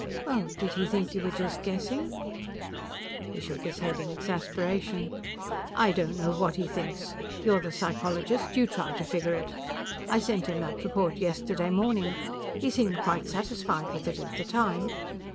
"Well, did he think you were just guessing?" He shook his head in exasperation. "I don't know what he thinks. You're the psychologist, you try to figure it. I sent him that report yesterday morning. He seemed quite satisfied with it at the time.